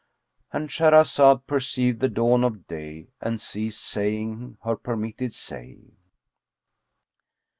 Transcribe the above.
"— And Shahrazad perceived the dawn of day and ceased saying her permitted say.